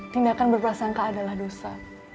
tindakan berprasangka adalah dosa